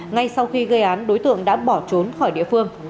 ngay sau khi gây án đối tượng đã bỏ trốn khỏi địa phương